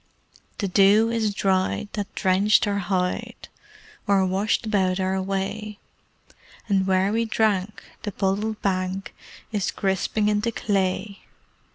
The dew is dried that drenched our hide Or washed about our way; And where we drank, the puddled bank Is crisping into clay.